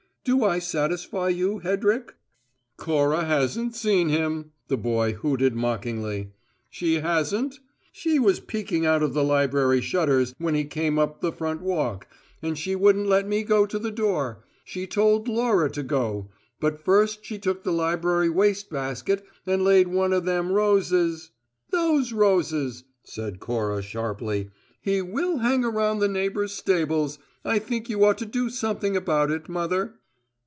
Do I satisfy you, Hedrick?" "`Cora hasn't seen him!'" the boy hooted mockingly. "She hasn't? She was peeking out of the library shutters when he came up the front walk, and she wouldn't let me go to the door; she told Laura to go, but first she took the library waste basket and laid one o' them roses " "Those roses," said Cora sharply. "He will hang around the neighbours' stables. I think you ought to do something about it, mother."